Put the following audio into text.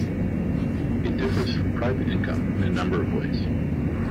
It differs from private income in a number of ways.